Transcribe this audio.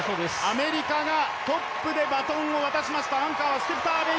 アメリカがトップでバトンを渡しました。